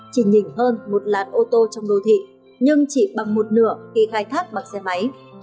chỉ nhìn hơn một làn ô tô trong đô thị nhưng chỉ bằng một nửa khi khai thác bằng xe máy